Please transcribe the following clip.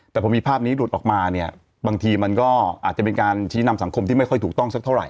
แต่พอมีภาพนี้หลุดออกมาเนี่ยบางทีมันก็อาจจะเป็นการชี้นำสังคมที่ไม่ค่อยถูกต้องสักเท่าไห